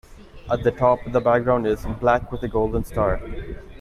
At the top, the background is black with a golden star.